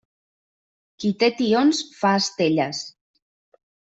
Qui té tions, fa estelles.